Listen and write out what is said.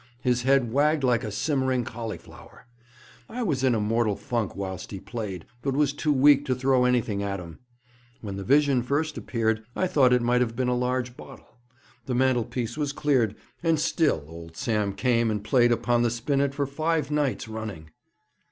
His head wagged like a simmering cauliflower. I was in a mortal funk whilst he played, but was too weak to throw anything at him. When the vision first appeared, I thought it might have been a large bottle. The mantelpiece was cleared, and still old Sam came and played upon the spinet for five nights running.'